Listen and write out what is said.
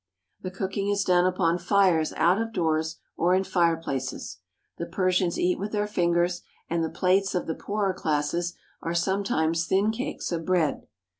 The cooking is done upon fires out of doors, or in fireplaces. The Persians eat with their fingers, and the plates of the poorer classes are sometimes thin cakes of bread.